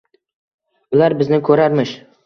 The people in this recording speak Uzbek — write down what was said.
Ular bizni ko’rarmish